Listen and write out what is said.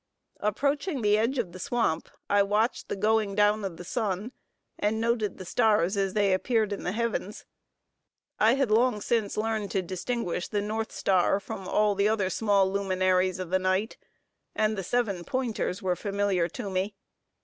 Approaching the edge of the swamp, I watched the going down of the sun, and noted the stars as they appeared in the heavens. I had long since learned to distinguish the north star from all the other small luminaries of the night; and the seven pointers were familiar to me.